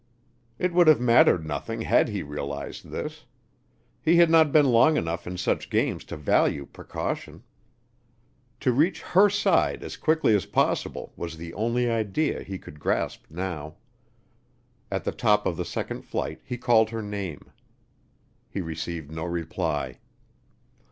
It would have mattered nothing had he realized this. He had not been long enough in such games to value precaution. To reach her side as quickly as possible was the only idea he could grasp now. At the top of the second flight he called her name. He received no reply.